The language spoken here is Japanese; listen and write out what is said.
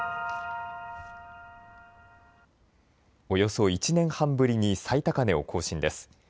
およそ１年半ぶりに最高値を更新です。